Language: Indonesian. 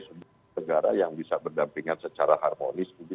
sebuah negara yang bisa berdampingan secara harmonis